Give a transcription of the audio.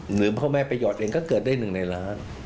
หรือพ่อแม่ประหยอดเองก็เกิดได้หนึ่งในล้าน